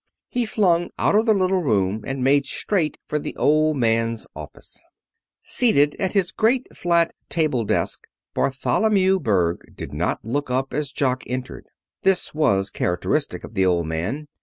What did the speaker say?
He flung out of the little room and made straight for the Old Man's office. Seated at his great flat table desk, Bartholomew Berg did not look up as Jock entered. This was characteristic of the Old Man.